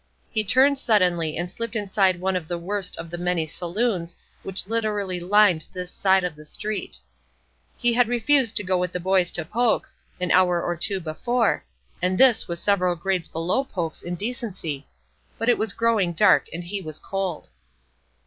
He turned suddenly and slipped inside one of the worst of the many saloons which literally lined this end of the street. He had refused to go with the boys to Poke's, an hour or two before, and this was several grades below Poke's in decency! But it was growing dark, and he was cold.